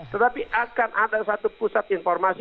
tetapi akan ada satu pusat informasi